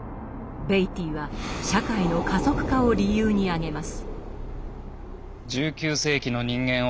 ベイティーは社会の加速化を理由に挙げます。